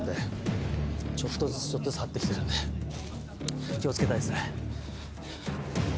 ちょっとずつちょっとずつ張ってきてるんで気を付けたいっすね。